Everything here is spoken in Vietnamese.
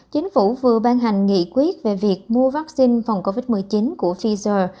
chính phủ vừa ban hành nghị quyết về việc mua vaccine phòng covid một mươi chín của fisre